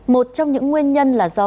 một trong những nguyên nhân là do